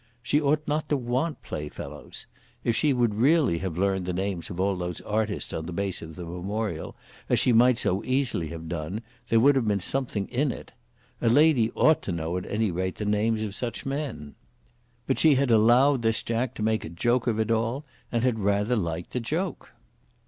She ought not to want playfellows. If she would really have learned the names of all those artists on the base of the Memorial, as she might so easily have done, there would have been something in it. A lady ought to know, at any rate, the names of such men. But she had allowed this Jack to make a joke of it all, and had rather liked the joke.